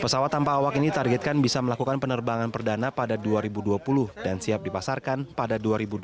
pesawat tanpa awak ini targetkan bisa melakukan penerbangan perdana pada dua ribu dua puluh dan siap dipasarkan pada dua ribu dua puluh